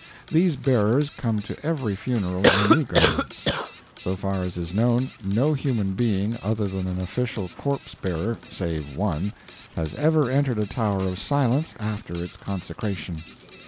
These bearers come to every funeral in new garments. So far as is known, no human being, other than an official corpse bearer save one has ever entered a Tower of Silence after its consecration.